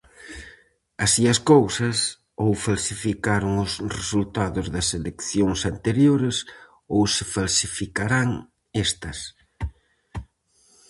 Así as cousas, ou falsificaron os resultados das eleccións anteriores, ou se falsificarán estas.